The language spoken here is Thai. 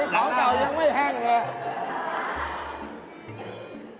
น้ารามายืนมีนิดครับ